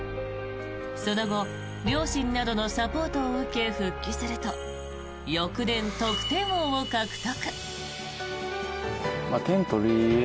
その後両親などのサポートを受け復帰すると翌年、得点王を獲得。